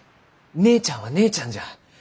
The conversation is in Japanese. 姉ちゃんは姉ちゃんじゃ。